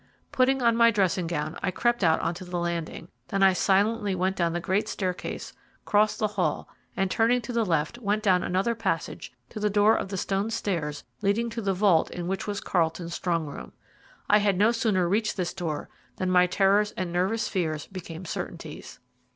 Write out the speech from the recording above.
Putting on my dressing gown, I crept out on to the landing, then I silently went down the great staircase, crossed the hall, and, turning to the left, went down another passage to the door of the stone stairs leading to the vault in which was Carlton's strong room. I had no sooner reached this door than my terrors and nervous feats became certainties.